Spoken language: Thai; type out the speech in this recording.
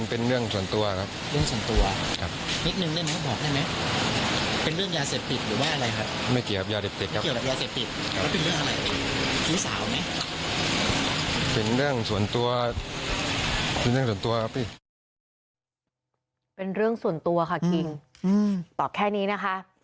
เป็นเรื่องส่วนตัวค่ะคิงตอบแค่นี้นะคะ